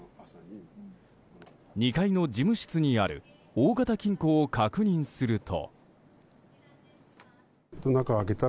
２階の事務室にある大型金庫を確認すると。